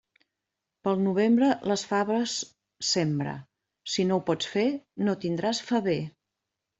Pel novembre, les faves sembra; si no ho pots fer, no tindràs faver.